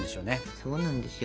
そうなんですよ。